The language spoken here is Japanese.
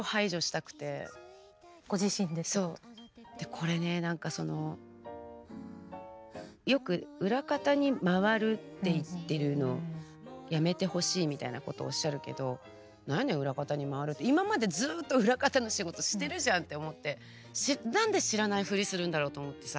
これね何かそのよく裏方にまわるって言ってるのやめてほしいみたいなことをおっしゃるけどなに裏方にまわるって今までずっと裏方の仕事してるじゃんって思って何で知らないフリするんだろうと思ってさ